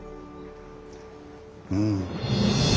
うん。